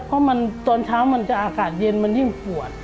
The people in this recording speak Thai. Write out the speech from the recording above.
เพราะมันตอนเช้ามันจะอากาศเย็นมันยิ่งปวด